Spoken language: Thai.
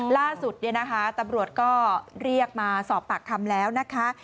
ล่าสุดเนี่ยนะคะตำรวจก็เรียกมาสอบปากคำแล้วนะคะ